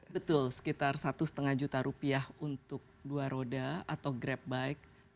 betul sekitar satu lima juta rupiah untuk dua roda atau grab bike